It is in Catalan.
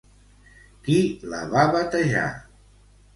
Qui la va batejar?